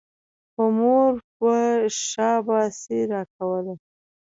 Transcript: خو مور به شاباسي راکوله.